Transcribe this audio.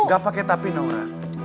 gak pake tapir naura